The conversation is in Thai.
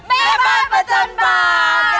แม่บ้านประจำบาน